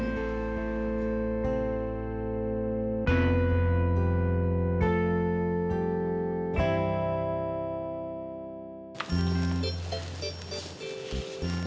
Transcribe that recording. rekaman lalu kemudian berikutnya